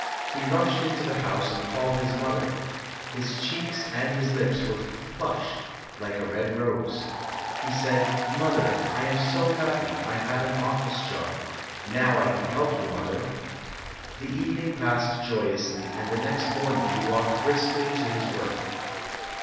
He rushed into the house and called his mother. His cheeks and his lips were flushed like a red rose. He said, "Mother, I am so happy. I have an office job. Now I can help you, Mother". The evening passed joyously, and the next morning he walked briskly to his work.